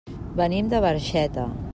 Venim de Barxeta.